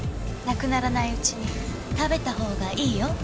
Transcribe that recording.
なくならないうちに食べたほうがいいよ。